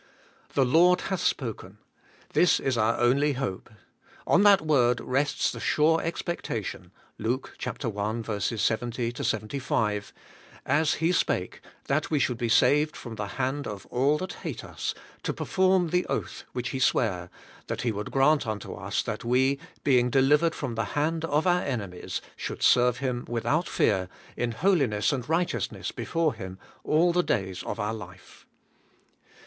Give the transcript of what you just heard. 'The 120 ABIDE IN CHRIST: Lord hath spoken/ — this is our only hope. On that word rests the sure expectation {Luke i. 70 75) : 'As He spahe^ That we should be saved from the hand of all that hate us, to perform the oath which He sware, that He would grant unto us that we, being delivered from the hand of our enemies, should serve Him without fear, in holiness and righteousness before Him, all the days of our life.'